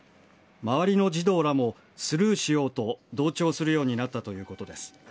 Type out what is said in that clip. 周りの児童らもスルーしようと同調するようになったということです。